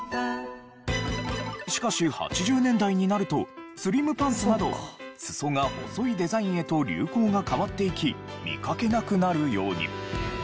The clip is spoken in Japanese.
しかし８０年代になるとスリムパンツなど裾が細いデザインへと流行が変わっていき見かけなくなるように。